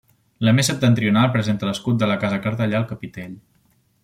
La més septentrional presenta l'escut de la Casa Cartellà al capitell.